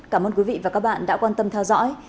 cảm ơn quý vị và các bạn đã quan tâm theo dõi